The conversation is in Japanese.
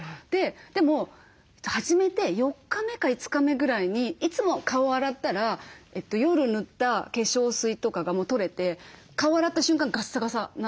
でも始めて４日目か５日目ぐらいにいつも顔洗ったら夜塗った化粧水とかが取れて顔洗った瞬間ガッサガサなんですよ。